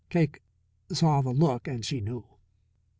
Cake saw the look, and she knew.